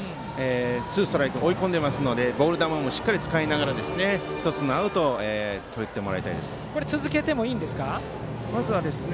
ツーストライクと追い込んでいますのでボール球もしっかり使いながら１つのアウトをとってもらいたいです。